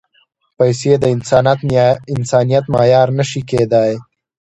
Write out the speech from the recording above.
پېسې د انسانیت معیار نه شي کېدای.